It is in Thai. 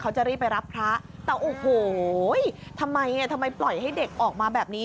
จะรีบไปรับพระแต่โอ้โหทำไมทำไมปล่อยให้เด็กออกมาแบบนี้